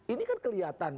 ini kan kelihatan